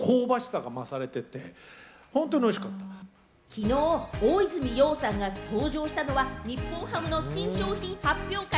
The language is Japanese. きのう、大泉洋さんが登場したのは日本ハムの新商品発表会。